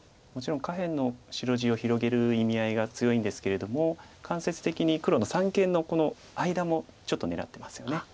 もちろん下辺の白地を広げる意味合いが強いんですけれども間接的に黒の三間の間もちょっと狙ってますよね。